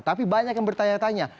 tapi banyak yang bertanya tanya